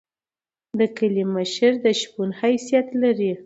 د کلی مشر د شپون حیثیت لري.